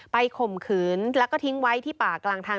ข่มขืนแล้วก็ทิ้งไว้ที่ป่ากลางทาง